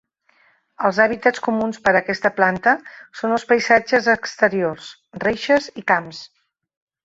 Els hàbitats comuns per a aquesta planta són els paisatges exteriors, reixes i camps.